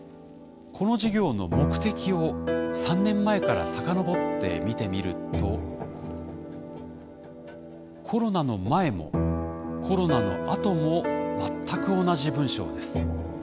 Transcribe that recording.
この事業の目的を３年前から遡って見てみるとコロナの前もコロナのあとも全く同じ文章です。